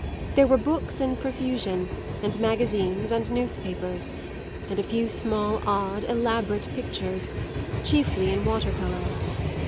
There were books in profusion and magazines and newspapers, and a few small, odd, elaborate pictures, chiefly in water colour.